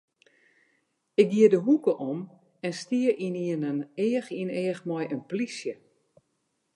Ik gie de hoeke om en stie ynienen each yn each mei in polysje.